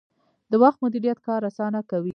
د وخت مدیریت کار اسانه کوي